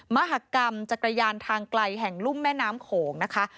มหากรรมจักรยานทางไกลแห่งลุ่มแม่น้ำโขงนะคะ